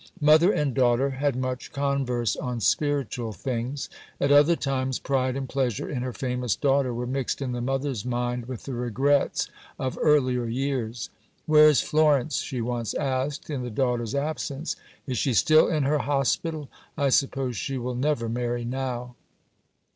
" Mother and daughter had much converse on spiritual things. At other times, pride and pleasure in her famous daughter were mixed in the mother's mind with the regrets of earlier years. "Where is Florence?" she once asked, in the daughter's absence; "is she still in her hospital? I suppose she will never marry now."